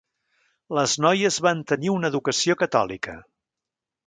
Les noies van tenir una educació catòlica.